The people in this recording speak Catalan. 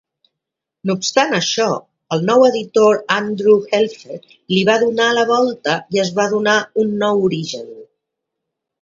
No obstant això, el nou editor Andrew Helfer li va donar la volta i es va donar un nou origen.